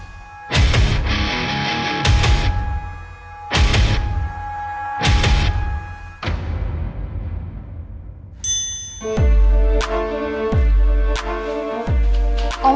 aku tersangkut galle